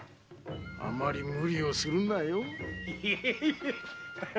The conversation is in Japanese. あまり無理をするなよ。